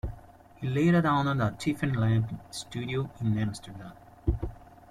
He later owned a Tiffany lamp studio in Amsterdam.